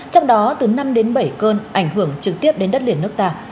trong đó từ năm đến bảy cơn ảnh hưởng trực tiếp đến đất liền nước ta